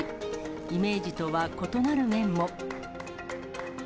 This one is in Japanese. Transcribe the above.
イメージとは異なる面も。